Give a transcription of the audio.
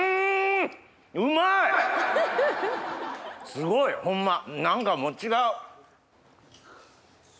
すごいホンマ何かもう違う。